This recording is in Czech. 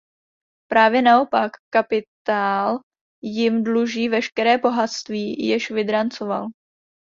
Právě naopak, kapitál jim dluží veškeré bohatství, jež vydrancoval.